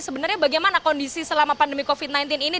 sebenarnya bagaimana kondisi selama pandemi covid sembilan belas ini